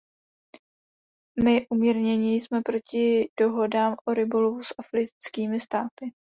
My umírnění jsme proti dohodám o rybolovu s africkými státy.